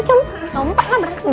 sumpah lah mereka